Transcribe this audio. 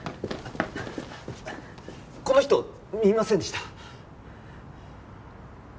この人見ませんでした？